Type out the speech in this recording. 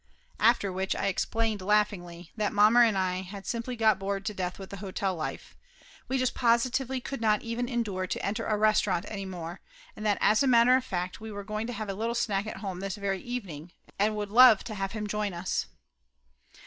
After which I explained laughingly that mommer and I had got simply bored to death with hotel life. We just positively could not even endure to enter a restaurant any more, and that as a matter of fact we were going to have a little snack at home this very evening, and would love to have him join us.